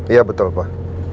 iya betul pak